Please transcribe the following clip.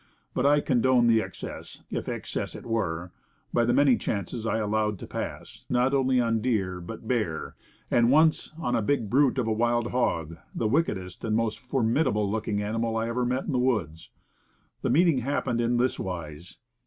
But I condoned the excess, if excess it were, by the many chances I allowed to pass, not only on deer but bear, and once on a big brute of a wild hog, the wickedest and most formidable looking animal I ever met in the woods. The meeting hap pened in this wise.